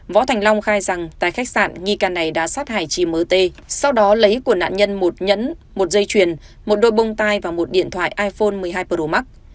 võ thành long khai rằng tại khách sạn nghi ca này đã sát hại chị m t sau đó lấy của nạn nhân một nhẫn một dây chuyền một đôi bông tai và một điện thoại iphone một mươi hai pro max